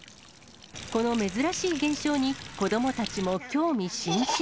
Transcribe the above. この珍しい現象に、子どもたちも興味津々。